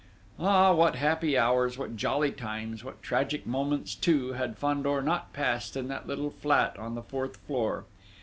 Ah, what happy hours, what jolly times, what tragic moments, too, had Fandor not passed in that little flat on the fourth floor!